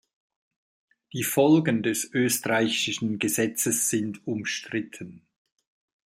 Die Folgen des österreichischen Gesetzes sind umstritten.